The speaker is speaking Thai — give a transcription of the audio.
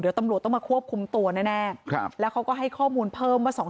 เดี๋ยวตำรวจต้องมาควบคุมตัวแน่ครับแล้วเขาก็ให้ข้อมูลเพิ่มว่า